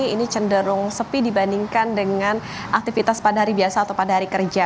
ini cenderung sepi dibandingkan dengan aktivitas pada hari biasa atau pada hari kerja